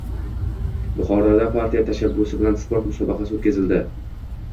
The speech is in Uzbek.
Buxoroda partiya tashabbusi bilan sport musobaqasi o‘tkazildi